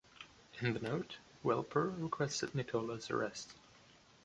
In the note, Woelper requested Nicola's arrest.